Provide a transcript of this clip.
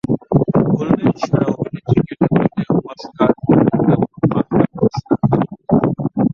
Coleman সেরা অভিনেত্রী ক্যাটাগরিতে অস্কার, গোল্ডেন গ্লোব ও বাফটা পুরস্কার পান।